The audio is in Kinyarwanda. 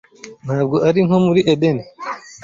ntabwo ari nko muri Edeni